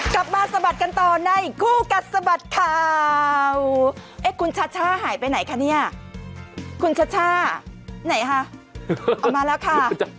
กลับมาสะบัดกันต่อในคู่กัดสะบัดข่าวเอ๊ะคุณชัชช่าหายไปไหนคะเนี่ยคุณชัชช่าไหนคะเอามาแล้วค่ะ